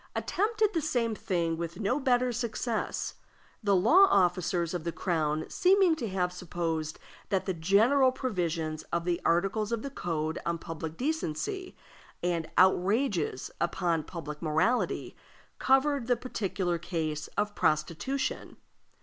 attempted the same thing with no better success, the law officers of the crown seeming to have supposed that the general provisions of the articles of the code on public decency and "outrages upon public morality" covered the particular case of prostitution.